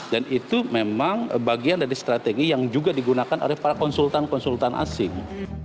dan itu memang bagian dari strategi yang juga digunakan oleh para konsultan konsultan asing